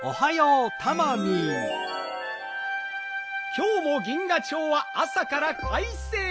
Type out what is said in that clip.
きょうも銀河町はあさからかいせい！